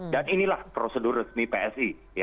dan inilah prosedur resmi psi